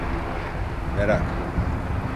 Merak…